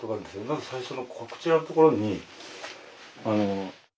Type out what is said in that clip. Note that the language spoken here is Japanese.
まず最初のこちらのところに。